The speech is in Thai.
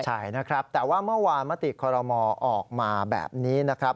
ใช่นะครับแต่ว่าเมื่อวานมติคอรมอออกมาแบบนี้นะครับ